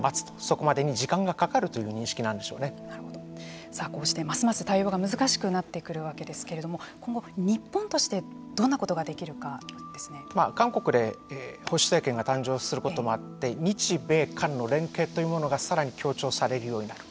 そこまでに時間がかかるというさあ、こうしてますます対話が難しくなってくるわけですけれども今後日本として韓国で保守政権が誕生することもあって日米韓の連携というものがさらに強調されるようになる。